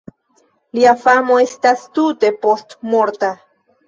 Lia famo estas tute postmorta.